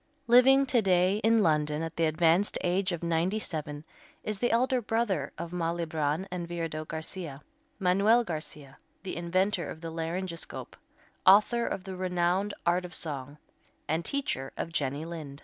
Living to day in London at the advanced age of ninety seven is the elder brother of Malibran and Viardot Garcia, Manuel Garcia, the inventor of the laryngoscope, author of the renowned "Art of Song," and teacher of Jenny Lind.